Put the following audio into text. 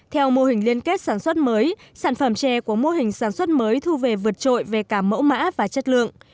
theo mô hình liên kết sản xuất mới sản phẩm chè của mô hình sản xuất mới thu về vượt trội về cả mẫu mã và chất lượng